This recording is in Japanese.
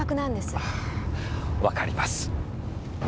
あぁわかります。